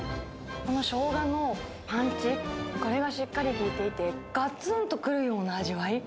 このしょうがのパンチ、これがしっかり効いていて、がつんとくるような味わい。